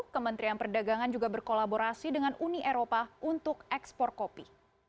kementerian perdagangan juga berkolaborasi dengan uni eropa untuk ekspor kopi